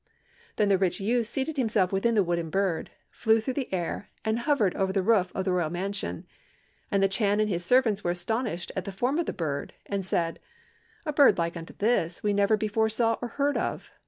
"Then the rich youth seated himself within the wooden bird, flew through the air, and hovered over the roof of the royal mansion; and the Chan and his servants were astonished at the form of the bird, and said, 'A bird like unto this we never before saw or heard of.'